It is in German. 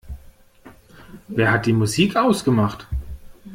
Wer hat die Musik ausgemacht?